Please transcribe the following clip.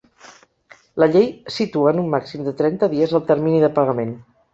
La llei situa en un màxim de trenta dies el termini de pagament.